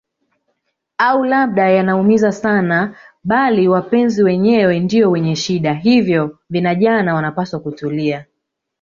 au labda yanaumiza sana bali wapenzi wenyewe ndio wenye shida hivyo vinajana wanapaswa kutulia